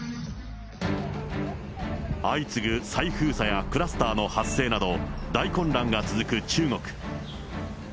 相次ぐ再封鎖やクラスターの発生など、大混乱が続く中国。